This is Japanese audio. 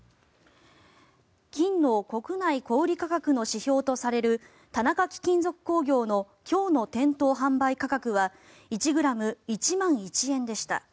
金の国内小売価格の指標とされる田中貴金属工業の今日の店頭販売価格は１ｇ＝１万１円でした。